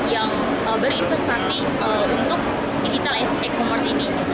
yang berinvestasi untuk digital e commerce ini